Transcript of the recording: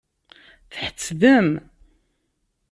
Tḥettdem?